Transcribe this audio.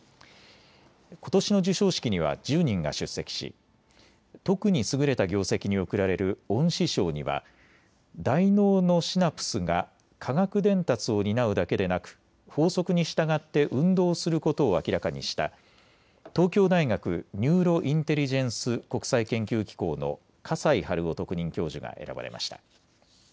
ことしの授賞式には１０人が出席し特に優れた業績に贈られる恩賜賞には大脳のシナプスが化学伝達を担うだけでなく法則に従って運動することを明らかにした東京大学ニューロインテリジェンス国際研究機構の河西春郎特任教授が選ばれました。